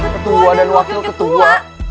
ketua dan wakil ketua